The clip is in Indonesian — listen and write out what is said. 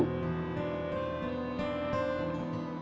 berbakti pada ibu